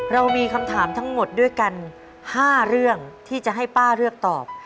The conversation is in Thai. เรามีคำถามทั้งหมดด้วยกัน๕เรื่องที่จะให้ป้าเลือกตอบ